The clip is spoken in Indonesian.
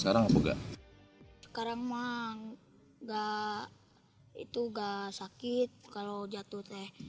sekarang emang enggak sakit kalau jatuh teh